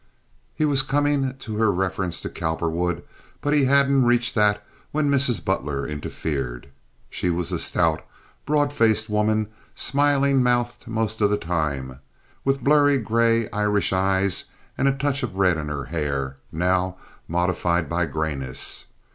He was coming to her reference to Cowperwood, but he hadn't reached that when Mrs. Butler interfered. She was a stout, broad faced woman, smiling mouthed most of the time, with blurry, gray Irish eyes, and a touch of red in her hair, now modified by grayness.